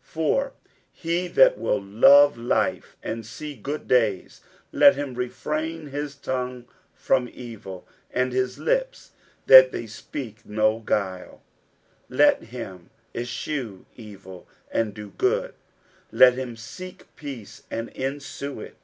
60:003:010 For he that will love life, and see good days, let him refrain his tongue from evil, and his lips that they speak no guile: 60:003:011 Let him eschew evil, and do good; let him seek peace, and ensue it.